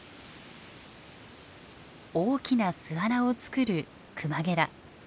大きな巣穴を作るクマゲラ。